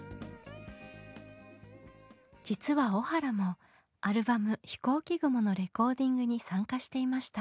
実は小原もアルバム「ひこうき雲」のレコーディングに参加していました。